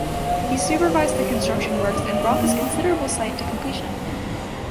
He supervised the construction works and brought this considerable site to completion.